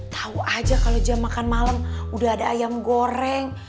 tau aja kalo jam makan malem udah ada ayam goreng